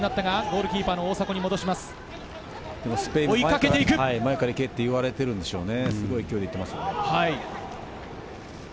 スペインも前から行けと言われているんでしょうね。